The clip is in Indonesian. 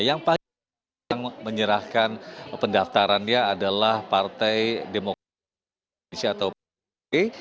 yang paling menyerahkan pendaftarannya adalah partai demokrasi indonesia atau pp